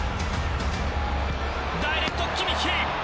ダイレクト、キミッヒ。